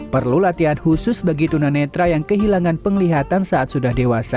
perlu latihan khusus bagi tunanetra yang kehilangan penglihatan saat sudah dewasa